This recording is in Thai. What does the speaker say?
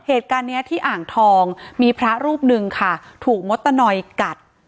เหตุการณ์เนี้ยที่อ่างทองมีพระรูปหนึ่งค่ะถูกมดตะนอยกัด